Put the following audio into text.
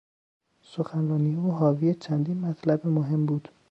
سخنرانی او حاوی چندین مطلب مهم بود.